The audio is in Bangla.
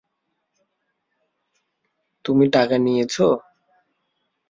তুমি টাকা নিয়েছো?